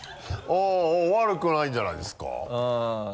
おおっ悪くはないんじゃないですか？